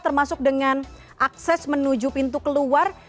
termasuk dengan akses menuju pintu keluar